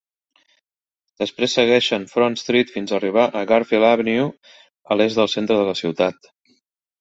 Després segueixen Front Street fins a arribar a Garfield Avenue a l'est del centre de la ciutat.